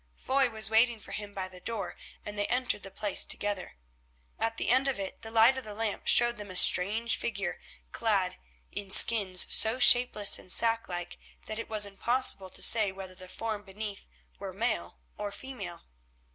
Foy was waiting for him by the door and they entered the place together. At the end of it the light of the lamp showed them a strange figure clad in skins so shapeless and sack like that it was impossible to say whether the form beneath were male or female.